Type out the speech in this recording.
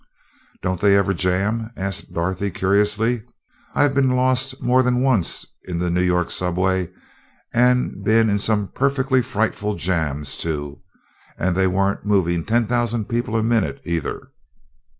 "Don't they ever jam?" asked Dorothy curiously. "I've been lost more than once in the New York subway, and been in some perfectly frightful jams, too and they weren't moving ten thousand people a minute either."